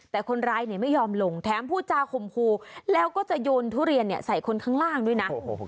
แต่คนร้ายไม่ยอมลงแถมพูดจาข่มครูแล้วก็จะโยนทุเรียนใส่คนข้างล่างด้วยนะ